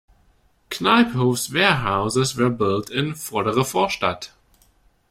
Kneiphof's warehouses were built in Vordere Vorstadt.